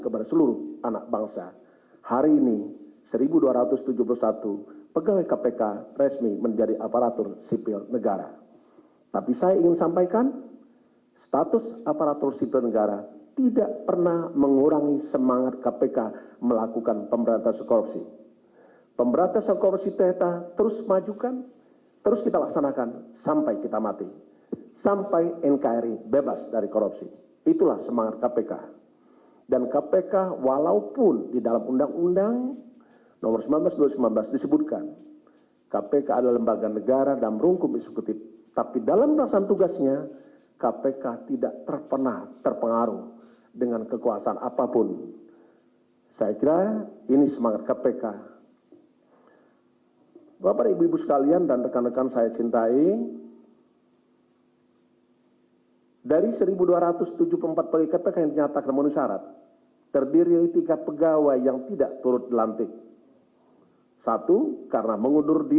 kedua karena tidak memenuhi syarat pendidikan